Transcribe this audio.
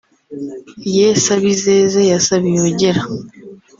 Ye Sabizeze ya Sabiyogera